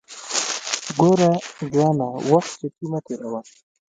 ګوره ځوانه وخت چټي مه تیروه